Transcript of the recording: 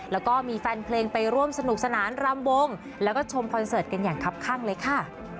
แล้วก็มีแฟนเพลงไปร่วมสนุกสนานรำวงแล้วก็ชมคอนเสิร์ตกันอย่างครับข้างเลยค่ะ